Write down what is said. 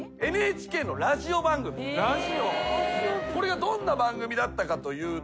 これがどんな番組だったかというと。